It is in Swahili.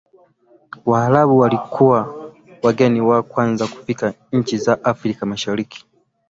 waarabu walikuwa wageni wa kwanza kufika nchi za afrika mashariki